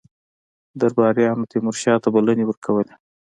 درباریانو تیمورشاه ته بلنې ورکولې.